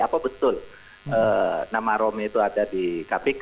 apa betul nama romy itu ada di kpk